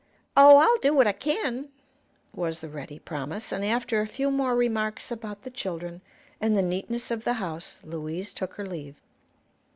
"Oh, I'll do what I kin," was the ready promise, and after a few more remarks about the children and the neatness of the house, Louise took her leave.